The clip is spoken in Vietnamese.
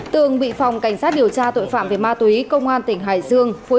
tường bị phòng cảnh sát điều tra tội phạm về ma túy công an tỉnh hải dương